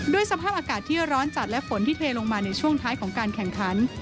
สภาพอากาศที่ร้อนจัดและฝนที่เทลงมาในช่วงท้ายของการแข่งขัน